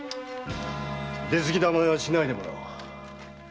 出過ぎた真似はしないでもらおう。